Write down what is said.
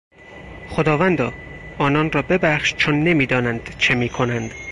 خداوندا، آنان را ببخش چون نمیدانند چه میکنند.